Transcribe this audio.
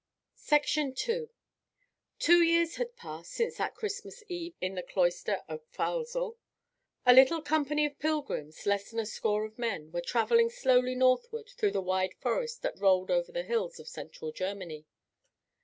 II Two years had passed since that Christmas eve in the cloister of Pfalzel. A little company of pilgrims, less than a score of men, were travelling slowly northward through the wide forest that rolled over the hills of central Germany.